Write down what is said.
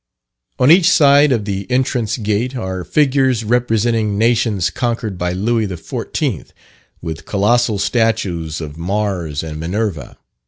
On each side of the entrance gate are figures representing nations conquered by Louis XIV., with colossal statues of Mars and Minerva.